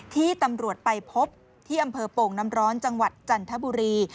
ที่ตำรวจไปพบที่อำเภอโป่งน้ำร้อนจังหวัดจันทบุรี